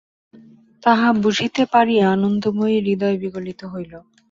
তাহা বুঝিতে পারিয়া আনন্দময়ীর হৃদয় বিগলিত হইল।